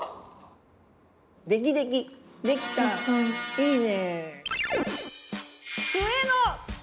いいね！